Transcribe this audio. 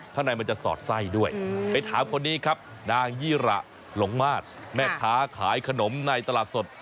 ข้างในมันจะสอดไส้ด้วยไปถามคนนี้ครับนางยี่ระหลงมาสแม่ค้าขายขนมในตลาดสด